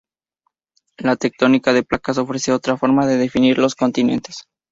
La tectónica de placas ofrece otra forma de definir los continentes.